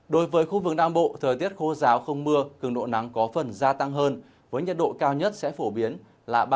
đối với khu vực nam bộ thời tiết khô giáo không mưa cường độ nắng có phần gia tăng hơn với nhiệt độ cao nhất sẽ phổ biến là ba mươi một đến ba mươi bốn độ